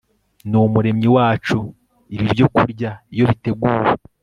nUmuremyi wacu Ibi byokurya iyo biteguwe